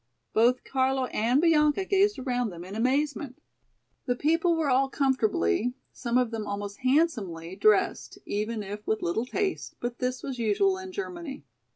Both Carlo and Bianca gazed around them in amazement. The people were all comfortably, some of them almost handsomely dressed, even if with little taste, but this was usual in Germany.